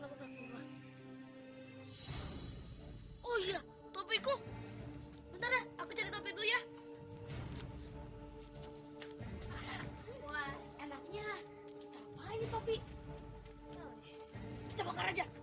oh ya topiku bentar aku cari tapi dulu ya enaknya tapi kita bakal aja